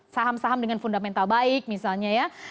saham saham dengan fundamental baik misalnya ya